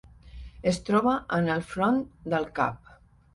Es troba en el front del cap.